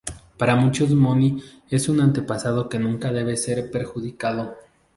Para muchos Moni, es un antepasado que nunca debe ser perjudicado.